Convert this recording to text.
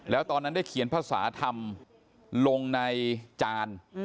แล้วตอนนั้นได้เขียนภาษาธรรมลงในจาน